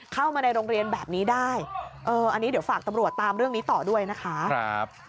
เข้ามาในโรงเรียนแบบนี้ได้เอออันนี้เดี๋ยวฝากตำรวจตามเรื่องนี้ต่อด้วยนะคะ